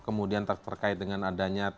kemudian terkait dengan adanya